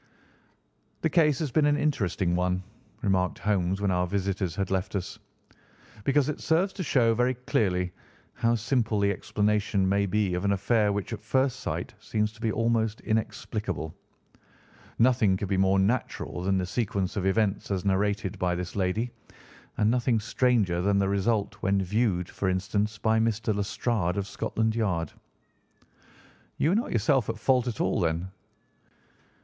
"The case has been an interesting one," remarked Holmes when our visitors had left us, "because it serves to show very clearly how simple the explanation may be of an affair which at first sight seems to be almost inexplicable. Nothing could be more natural than the sequence of events as narrated by this lady, and nothing stranger than the result when viewed, for instance, by Mr. Lestrade of Scotland Yard." "You were not yourself at fault at all, then?"